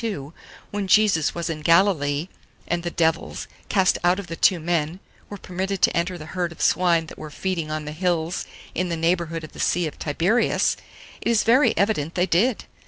32, when Jesus was in Galilee, and the devils, cast out of the two men, were permitted to enter the herd of swine that were feeding on the hills in the neighbourhood of the Sea of Tiberias, it is very evident they did.